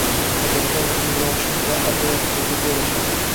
Odamlar meni yoshim bilan aldayapti deb o’ylashadi.